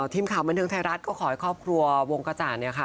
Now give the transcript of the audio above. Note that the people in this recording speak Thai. ทีมข่าวบันเทิงไทยรัฐก็ขอให้ครอบครัววงกระจ่างเนี่ยค่ะ